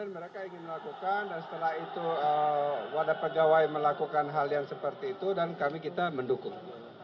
mereka ingin melakukan dan setelah itu wadah pegawai melakukan hal yang seperti itu dan kami kita mendukung